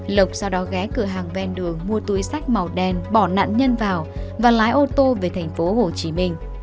lộc sau đó ghé cửa hàng ven đường mua túi sách màu đen bỏ nạn nhân vào và lái ô tô về tp hcm